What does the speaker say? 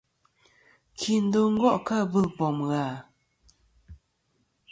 Kindo gò' kɨ abɨl bom ghà?